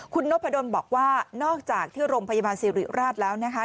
คุณนพดลบอกว่านอกจากที่โรงพยาบาลสิริราชแล้วนะคะ